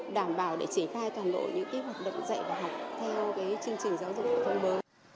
đảm bảo để triển khai toàn bộ những kỹ hoạt động dạy và học theo chương trình giáo dục thông bớ